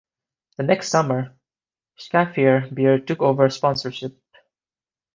The next summer, Schaefer Beer took over sponsorship.